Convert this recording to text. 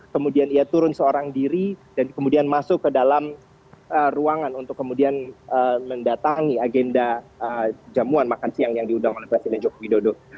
kemudian ia turun seorang diri dan kemudian masuk ke dalam ruangan untuk kemudian mendatangi agenda jamuan makan siang yang diundang oleh presiden joko widodo